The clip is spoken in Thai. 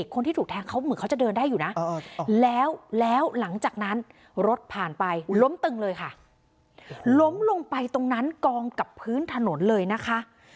กลางดึกวันที่๑เมษายนค่ะ